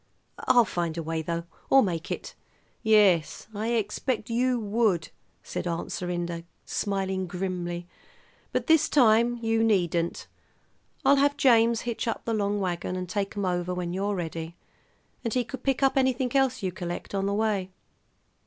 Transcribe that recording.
I'll find a way, though, or make it." "Yes, I expect you would," said Aunt Serinda, smiling grimly; "but this time you needn't. I'll have James hitch up the long wagon and take 'em over when you're ready, and he could pick up anything else you collect, on the way."